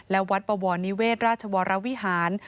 และวัดปวรนิเวศราชวรวิหาร